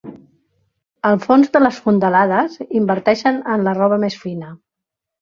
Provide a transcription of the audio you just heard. Al fons de les fondalades inverteixen en la roba més fina.